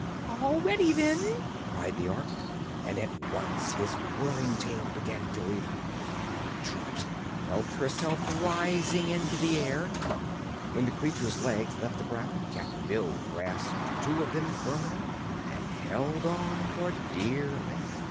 "All ready, then!" cried the Ork, and at once his whirling tail began to revolve. Trot felt herself rising into the air; when the creature's legs left the ground Cap'n Bill grasped two of them firmly and held on for dear life.